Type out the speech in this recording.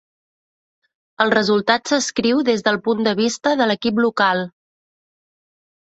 El resultat s'escriu des del punt de vista de l'equip local.